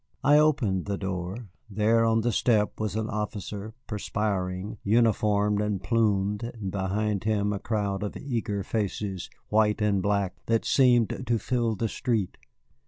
I opened the door. There, on the step, was an officer, perspiring, uniformed and plumed, and behind him a crowd of eager faces, white and black, that seemed to fill the street.